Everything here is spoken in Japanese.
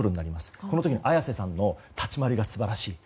この時の綾瀬さんの立ち回りが素晴らしい。